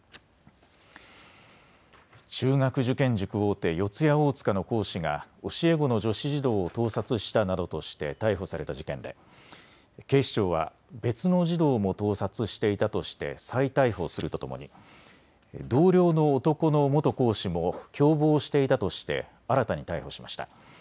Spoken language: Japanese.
中学受験塾大手、四谷大塚の講師が教え子の女子児童を盗撮したなどとして逮捕された事件で警視庁は別の児童も盗撮していたとして再逮捕するとともに同僚の男の元講師も共謀していたとして新たに逮捕しました。